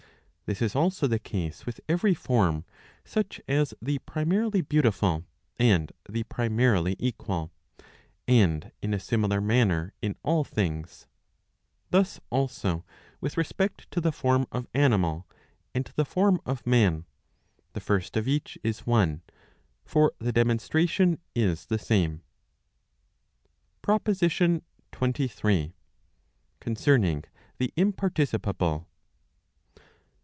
This is also the case with every form, such as the primarily beautiful, and the primarily equal. And in a similar manner in all things. Thus also, with respect to the form of animal, and the form of man, the first of each is one ; for the demonstration is the same. PROPOSITION XXIII. Concerning the Imparticipable?